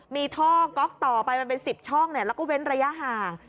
มีท่อก๊อกต่อไปมันเป็น๑๐ช่องแล้วก็เว้นระยะห่าง